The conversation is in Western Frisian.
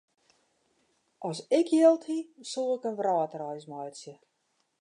As ik jild hie, soe ik in wrâldreis meitsje.